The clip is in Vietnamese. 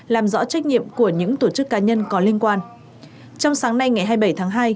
làm rõ trách nhiệm của những tổ chức cá nhân có liên quan trong sáng nay ngày hai mươi bảy tháng hai